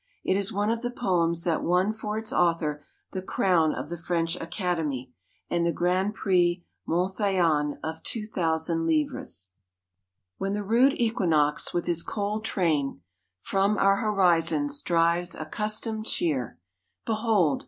It is one of the poems that won for its author the crown of the French academy and the Grand Prix Monthyon of 2,000 livres. When the rude Equinox, with his cold train From our horizons drives accustomed cheer, Behold!